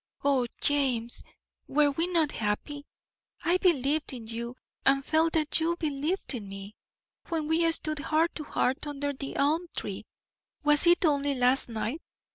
O James, were we not happy! I believed in you and felt that you believed in me. When we stood heart to heart under the elm tree (was it only last night?)